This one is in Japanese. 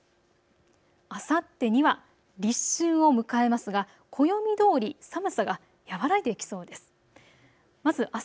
あさってには立春を迎えますが暦どおり寒さが和らいでいきそうです。